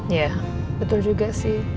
iya betul juga sih